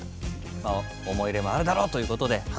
まあ思い入れもあるだろうということで。